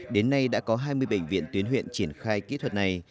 đến nay đã có hai mươi bệnh viện tuyến huyện triển khai kỹ thuật này